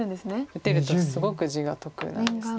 打てるとすごく地が得なんです。